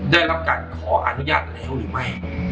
ได้รับการขออนุญาตแล้วหรือไม่